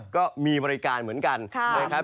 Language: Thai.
ก็มีบริการเหมือนกันนะครับ